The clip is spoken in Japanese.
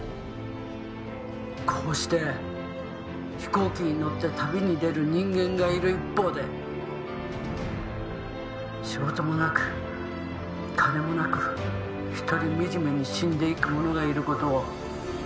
「こうして飛行機に乗って旅に出る人間がいる一方で仕事もなく金もなくひとり惨めに死んでいく者がいる事を」